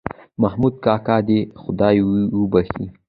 محمود کاکا دې خدای وبښي